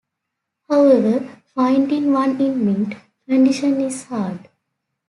However, finding one in mint condition is hard.